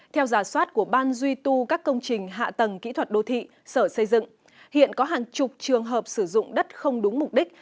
theo giả soát của ban duy tu các công trình hạ tầng kỹ thuật đô thị sở xây dựng hiện có hàng chục trường hợp sử dụng đất không đúng mục đích